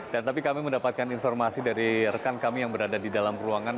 dan tapi kami mendapatkan informasi dari rekan kami yang berada di dalam ruangan